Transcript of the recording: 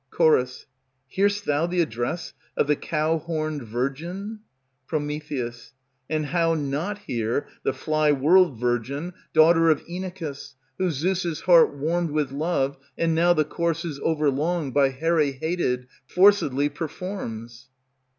Ch. Hear'st thou the address of the cow horned virgin? Pr. And how not hear the fly whirled virgin, Daughter of Inachus, who Zeus' heart warmed With love, and now the courses over long, By Here hated, forcedly performs?